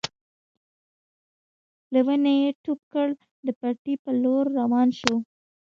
له ونې يې ټوپ کړ د پټي په لور روان شو.